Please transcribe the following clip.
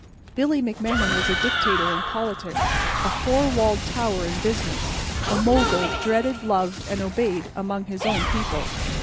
Billy McMahan was a dictator in politics, a four walled tower in business, a mogul, dreaded, loved and obeyed among his own people.